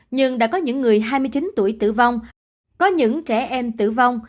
nhưng đã có những người hai mươi chín tuổi tử vong có những trẻ em tử vong